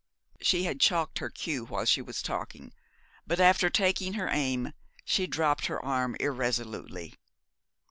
She had chalked her cue while she was talking, but after taking her aim, she dropped her arm irresolutely.